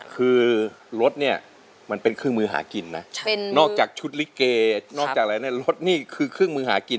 คือรถเนี่ยมันเป็นเครื่องมือหากินนะนอกจากชุดลิเกนอกจากอะไรเนี่ยรถนี่คือเครื่องมือหากิน